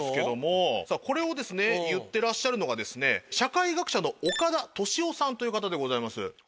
これをですね言ってらっしゃるのがですね社会学者の岡田斗司夫さんという方でございます。